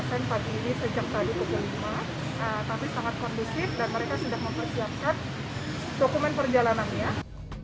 tapi sangat kondisif dan mereka sudah mempersiapkan dokumen perjalanannya